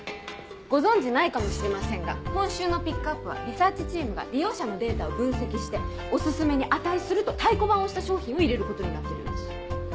ご存じないかもしれませんが今週のピックアップはリサーチチームが利用者のデータを分析してオススメに値すると太鼓判を押した商品を入れることになってるんです。